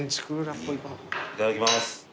いただきます。